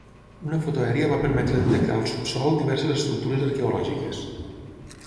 Una foto aèria va permetre detectar al subsòl diverses estructures arqueològiques.